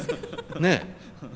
ねえ。